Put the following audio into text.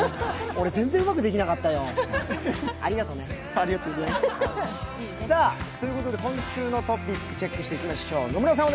俺、全然うまくできなかったよってありがとね。ということで今週のトピックをチェックしていきましょう。